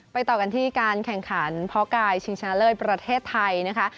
ต่อกันที่การแข่งขันพ่อกายชิงชนะเลิศประเทศไทยนะคะ